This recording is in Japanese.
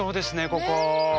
ここ。